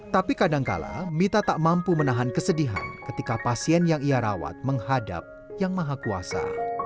tapi kadangkala mita tak mampu menahan kesedihan ketika pasien yang ia rawat menghadap yang maha kuasa